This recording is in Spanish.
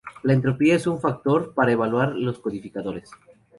La entropía es un factor para evaluar los codificadores.